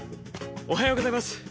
おはようございます。